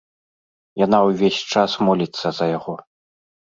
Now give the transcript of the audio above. Яна ўвесь час моліцца за яго.